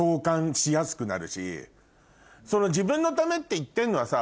自分のためって言ってんのはさ